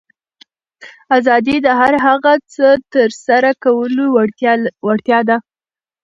آزادي د هر هغه څه ترسره کولو وړتیا ده.